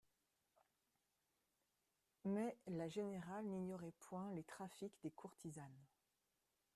Mais, la générale n'ignorait point les trafics des courtisanes.